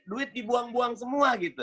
duit dibuang buang semua